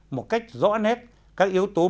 một cách rõ nét các yếu tố